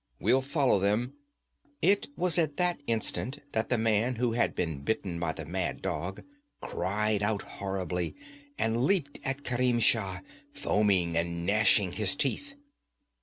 We'll follow them ' It was at that instant that the man who had been bitten by the mad dog cried out horribly and leaped at Kerim Shah, foaming and gnashing his teeth.